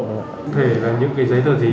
thế là những cái giấy tờ gì